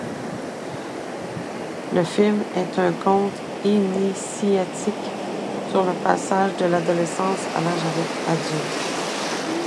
Le film est un conte initiatique sur le passage de l'adolescence à l'âge adulte.